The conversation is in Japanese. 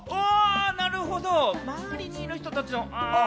なるほど、周りにいる人たちの。